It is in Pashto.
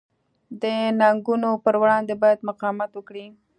د ننګونو پر وړاندې باید مقاومت وکړي.